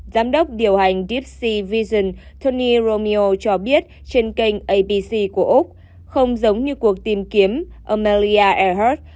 giám đốc điều hành deep sea vision tony romeo cho biết trên kênh abc của úc không giống như cuộc tìm kiếm emilia earhart